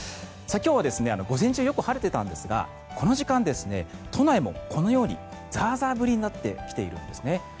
今日は、午前中よく晴れていたんですがこの時間、都内もこのようにザーザー降りになってきているんです。